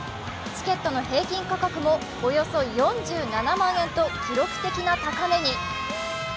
チケットの平均価格もおよそ４７万円と記録的な高値に。